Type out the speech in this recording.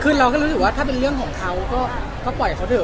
คือเราก็รู้สึกว่าถ้าเป็นเรื่องของเขาก็ปล่อยเขาเถอ